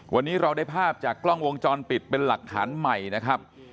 วันนี้เราได้ภาพจากกล้องวงจรปิดเป็นหลักฐานใหม่นะครับ